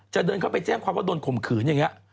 เดินเข้าไปแจ้งความว่าโดนข่มขืนอย่างนี้